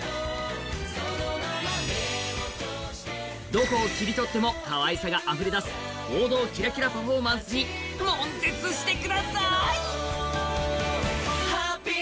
どこを切り取ってもかわいいがあふれ出す王道キラキラパフォーマンスにもん絶してください！